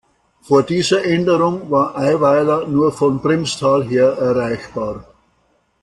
Vor dieser Änderung war Eiweiler nur von Primstal her erreichbar.